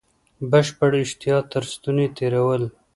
بشپړه اشتها تر ستوني تېرول.